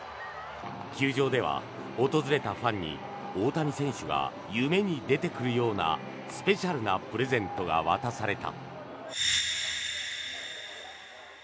球場では訪れたファンに大谷選手が夢に出てくるようなスペシャルなプレゼントが渡された。